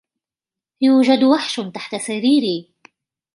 يوجد وحش تحت سريري.